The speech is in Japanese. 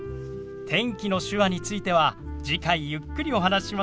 天気の手話については次回ゆっくりお話ししましょう。